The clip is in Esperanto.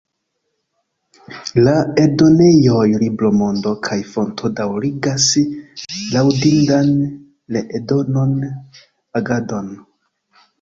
La eldonejoj Libro-Mondo kaj Fonto daŭrigas laŭdindan reeldonan agadon.